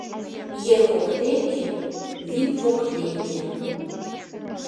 Ер воктеке, вӱд воктеке